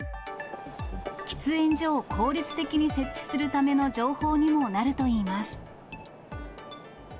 喫煙所を効率的に設置するための情報にもなるといいます。